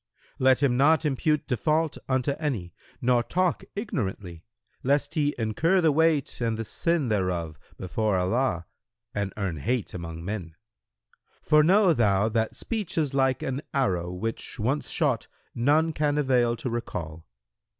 Let him not impute default unto any nor talk ignorantly, lest he incur the weight and the sin thereof before Allah and earn hate among men; for know thou that speech is like an arrow which once shot none can avail to recall.